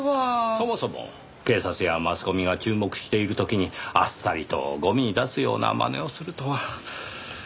そもそも警察やマスコミが注目している時にあっさりとゴミに出すようなまねをするとは。